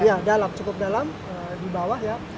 ya cukup dalam di bawah ya